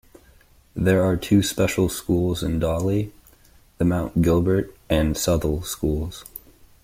There are two special schools in Dawley: the Mount Gilbert and Southall schools.